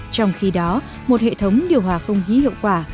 trong khi đó một hệ thống điều hòa không khí hiệu quả